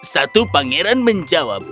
satu pangeran menjawab